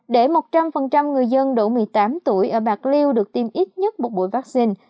để một trăm linh người dân độ một mươi tám tuổi ở bạc liêu được tiêm ít nhất một buổi vaccine